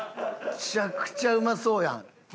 めちゃくちゃうまそうやん。